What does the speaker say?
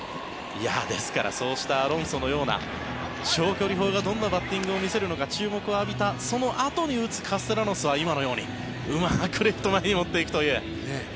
ですからそうしたアロンソのような長距離砲がどんなバッティングを見せるのか注目を浴びたそのあとに打つカステラノスは今のように、うまくレフト前に持っていくという。